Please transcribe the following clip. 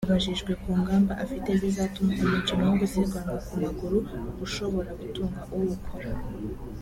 Abajijwe ku ngamba afite zizatuma umukino wo gusiganwa ku maguru ushobora gutunga uwukora